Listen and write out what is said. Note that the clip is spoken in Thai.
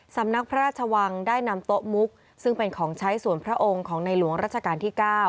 สำนักพระราชวังได้นำโต๊ะมุกซึ่งเป็นของใช้ส่วนพระองค์ของในหลวงราชการที่๙